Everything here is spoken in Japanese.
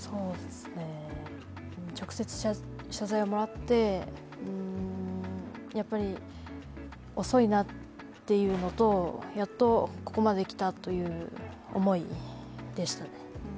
直接謝罪をもらって、やっぱり遅いなというのと、やっとここまできた、という思いでしたね。